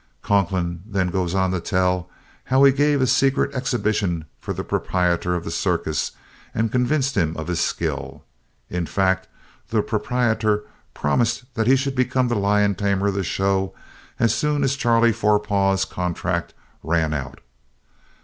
Conklin then goes on to tell how he gave a secret exhibition for the proprietor of the circus and convinced him of his skill. In fact, the proprietor promised that he should become the lion tamer of the show as soon as Charlie Forepaugh's contract ran out.